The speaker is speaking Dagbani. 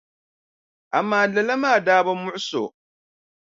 Amaa lala maa daa bi muɣisi o.